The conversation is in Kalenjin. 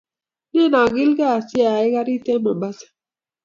Nen akilkee siyai karit en mombasa